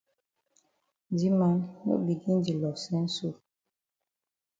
Di man, no begin di loss sense so.